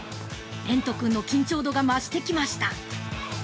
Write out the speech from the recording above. ◆蓮人君の緊張度が増してきました。